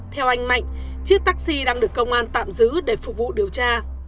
theo anh mạnh chiếc taxi đang được công an tạm giữ để phục vụ điều tra